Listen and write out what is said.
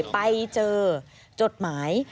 ไปเจอจดหมาย